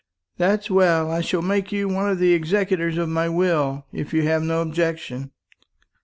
"That's well. I shall make you one of the executors to my will, if you've no objection."